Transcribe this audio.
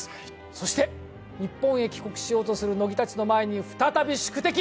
そして日本に帰国しようとする乃木たちの前に再び宿敵